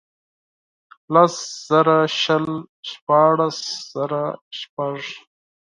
لس زره شل ، شپاړس زره شپږ.